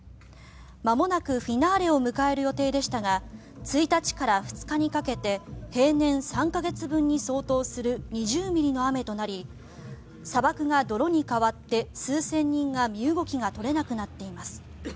まもなくフィナーレを迎える予定でしたが１日から２日にかけて平年３か月分に相当する２０ミリの雨となり砂漠が泥に変わって数千人が身動きが取れなくなっています。